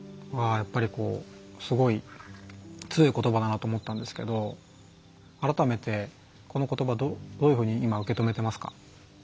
やっぱりすごい強い言葉だなと思ったんですけど改めてこの言葉どういうふうに今受け止めてますか？